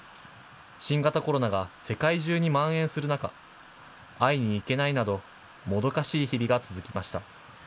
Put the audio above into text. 新型コロナが世界中にまん延する中、会いに行けないなど、もどかしい日々が続きました。